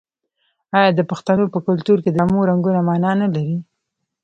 آیا د پښتنو په کلتور کې د جامو رنګونه مانا نلري؟